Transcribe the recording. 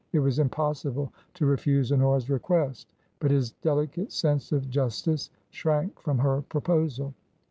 It was impossible to refuse Honora's request, but his delicate sense of justice shrank from her proposal.